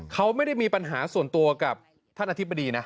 เขาไม่ได้มีปัญหาส่วนตัวกับท่านอธิบดีนะ